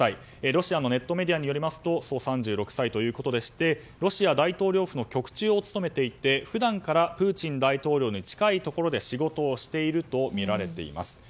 ロシアのネットメディアによりますと３６歳ということでしてロシア大統領府の局長を務めていて普段からプーチン大統領の近いところで仕事をしているとみられています。